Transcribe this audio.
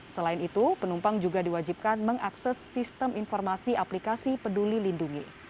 selain itu penumpang juga diwajibkan mengakses sistem informasi aplikasi peduli lindungi